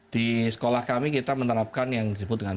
di sekolah kami kita menerapkan yang disebut dengan